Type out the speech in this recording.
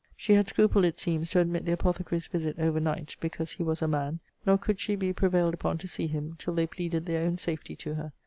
She had scrupled, it seems, to admit the apothecary's visit over night, because he was a MAN. Nor could she be prevailed upon to see him, till they pleaded their own safety to her.